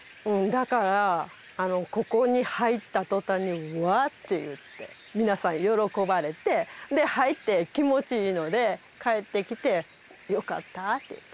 だからここに入った途端に「ワッ！」って言って皆さん喜ばれて。で入って気持ちいいので帰ってきて「良かった」って。